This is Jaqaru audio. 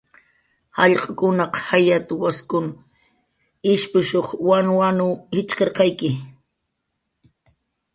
"Jallq'kunaq jayat"" waskun ishpushuq wanwanw jitxqirqayki"